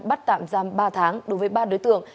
bắt tạm giam ba tháng đối với ba đối tượng